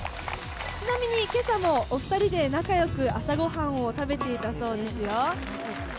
ちなみに、けさもお２人で仲よく朝ごはんを食べていたそうですよ。